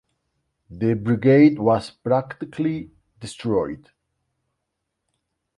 The brigade was practically destroyed.